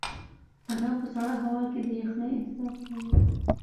انا په سړه هوا کې د یخنۍ احساس کاوه.